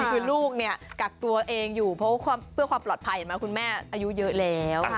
คือลูกเนี่ยกักตัวเองอยู่เพราะเพื่อความปลอดภัยเห็นไหมคุณแม่อายุเยอะแล้ว